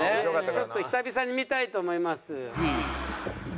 ちょっと久々に見たいと思います。